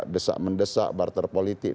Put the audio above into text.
desak mendesak barter politik